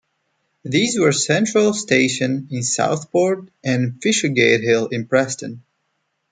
These were Central station in Southport and Fishergate Hill in Preston.